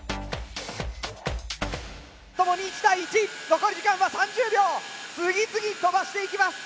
共に１対１残り時間は３０秒次々飛ばしていきます。